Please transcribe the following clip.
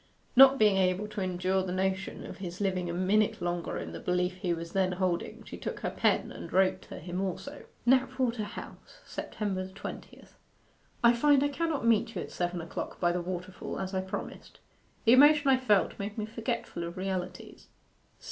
Not being able to endure the notion of his living a minute longer in the belief he was then holding, she took her pen and wrote to him also: 'KNAPWATER HOUSE September 20th. 'I find I cannot meet you at seven o'clock by the waterfall as I promised. The emotion I felt made me forgetful of realities.